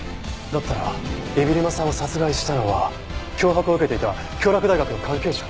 だったら海老沼さんを殺害したのは脅迫を受けていた京洛大学の関係者？